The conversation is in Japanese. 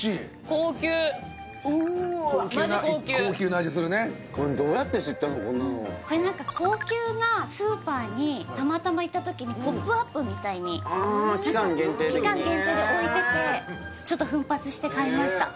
高級な味するね高級なスーパーにたまたま行った時にポップアップみたいに期間限定で置いててちょっと奮発して買いました